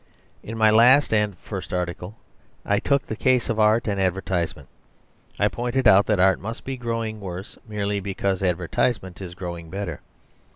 In my last (and first) article, I took the case of Art and advertisement. I pointed out that Art must be growing worse merely because advertisement is growing better.